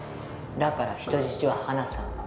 「だから人質は放さない」